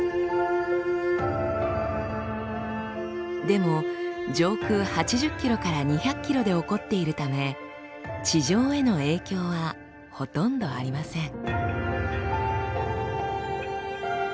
でも上空８０ｋｍから２００ｋｍで起こっているため地上への影響はほとんどありません。